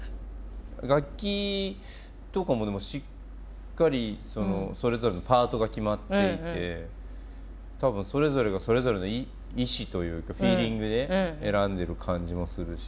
楽器とかもでもしっかりそれぞれのパートが決まっていて多分それぞれがそれぞれの意思というかフィーリングで選んでる感じもするし。